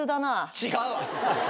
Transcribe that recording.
違うわ！